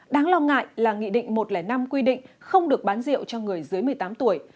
đáng lo ngại là nghị định một trăm linh năm quy định không được bán rượu cho người dưới một mươi tám tuổi